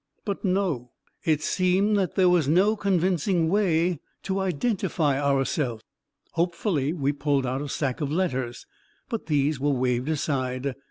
But no; it seemed that there was no convincing way to identify ourself. Hopefully we pulled out a stack of letters, but these were waved aside.